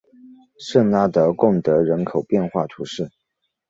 圣拉德贡德人口变化图示